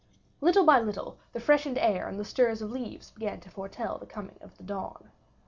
Little by little the freshened air and the stir of leaves began to foretell the coming of the dawn.